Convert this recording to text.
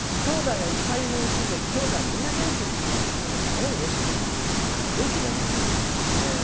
きょうだいがいっぱいいるうちできょうだいみんな元気って聞くのすごいうれしいね元気出ますよね。